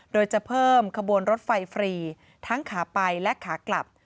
โดยจะเพิ่มขบวนรถไฟฟรีทั้งขาไปและขากลับ